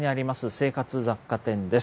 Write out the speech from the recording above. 生活雑貨店です。